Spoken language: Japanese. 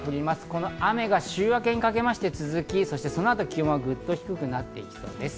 この雨が週明けにかけまして続き、そのあと気温がグッと低くなっていきそうです。